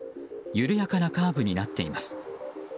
緩やかなカーブになっています。